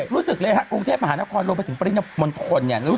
รู้สึกเลยฮะกรุงเทพฯมหานครลงไปถึงประเทศมนตร์คนเนี่ย